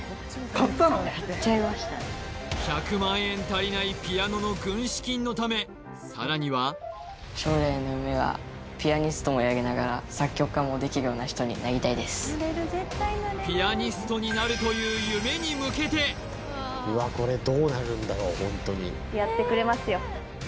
買っちゃいました１００万円足りないピアノの軍資金のためさらにはピアニストになるという夢に向けてうわっこれホントにやってくれますよ